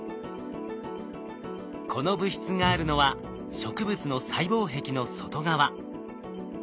この物質があるのは植物の細胞壁の外側。